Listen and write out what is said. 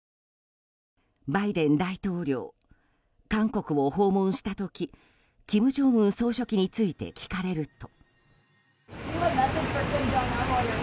バイデン大統領韓国を訪問した時金正恩総書記について聞かれると。